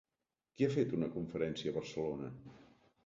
Qui ha fet una conferència a Barcelona?